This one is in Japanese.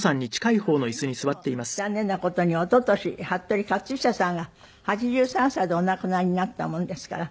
まあそれにしても残念な事に一昨年服部克久さんが８３歳でお亡くなりになったものですから。